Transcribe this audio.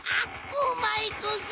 おまえこそ！